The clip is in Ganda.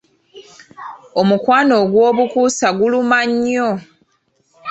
Omukwano ogw'obukuusa gulumya nnyo.